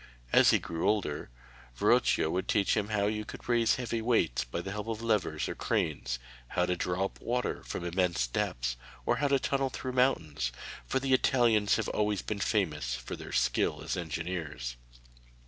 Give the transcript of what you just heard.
As he grew older, Verrocchio would teach him how you could raise heavy weights by the help of levers or cranes, how to draw up water from immense depths, or how to tunnel through mountains for the Italians have always been famous for their skill as engineers.